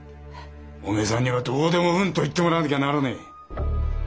お前さんにはどうでもうんと言ってもらわなきゃならねえ。